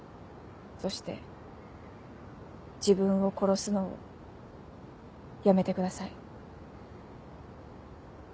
そして自分を殺すのをやめてください。